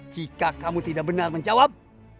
jika kamu tidak benar menjawab